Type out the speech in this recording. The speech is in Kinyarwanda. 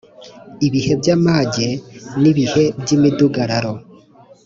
Ibihe by amage n ibihe by imidugararo